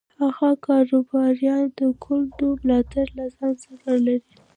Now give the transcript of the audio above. هغه کاروباریان د ګوند ملاتړ له ځان سره لري.